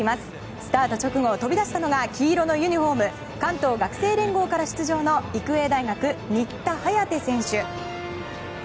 スタート直後、飛び出したのが黄色のユニホーム関東学生連合から出場の育英大学、新田颯選手。